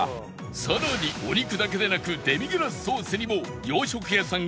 さらにお肉だけでなくデミグラスソースにも洋食屋さん